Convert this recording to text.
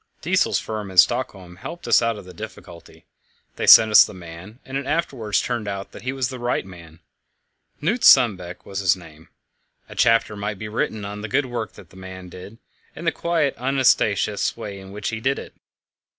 Diesel's firm in Stockholm helped us out of the difficulty; they sent us the man, and it afterwards turned out that he was the right man. Knut Sundbeck was his name. A chapter might be written on the good work that man did, and the quiet, unostentatious way in which he did it.